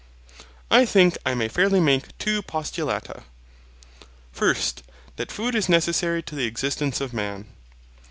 I think I may fairly make two postulata. First, That food is necessary to the existence of man.